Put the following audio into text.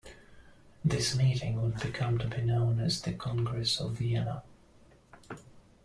This meeting would become to be known as the Congress of Vienna.